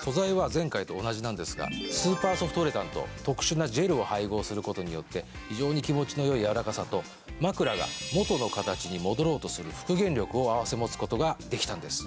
素材は前回と同じなんですが。を配合することによって非常に気持ちの良い柔らかさと枕が元の形に戻ろうとする復元力を併せ持つことができたんです。